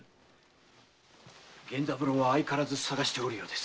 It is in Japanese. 源三郎は相変わらず探しておるようです。